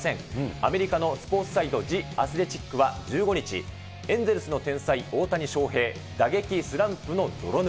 アメリカのスポーツサイト、ジ・アスレチックは１５日、エンゼルスの天才、大谷翔平、打撃スランプの泥沼。